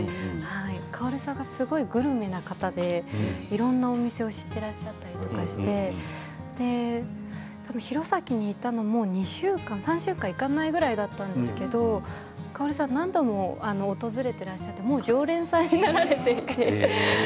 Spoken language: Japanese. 薫さんが、すごくグルメな方でいろんなお店を知っていらっしゃったりして弘前にいたのも３週間いかないぐらいだったんですけれど薫さん何度も訪れていらっしゃって常連さんになられていて。